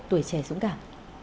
tuổi trẻ dũng cảm